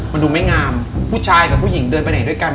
มันดูไม่งามผู้ชายกับผู้หญิงเดินไปไหนด้วยกัน